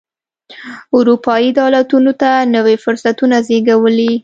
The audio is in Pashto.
اروپايي دولتونو ته نوي فرصتونه وزېږولې.